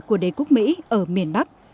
của đế quốc mỹ ở miền bắc